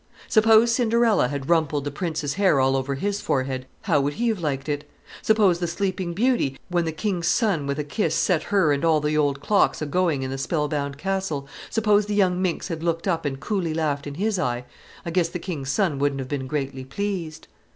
Suppose Cinderella had rumpled the prince's hair all over his forehead, how would he have liked it? Suppose the Sleeping Beauty, when the king's son with a kiss set her and all the old clocks agoing in the spell bound castle suppose the young minx had looked up and coolly laughed in his eye, I guess the king's son wouldn't have been greatly pleased.